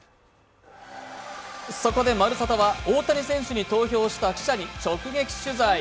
そこで「まるサタ」は大谷選手に投票した記者に直撃取材。